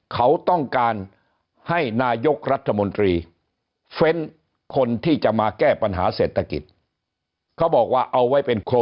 เขาต้องการให้นายกรัฐมนตรีเฟนคนที่จะมาแก้ปัญหาเศรษฐกิจ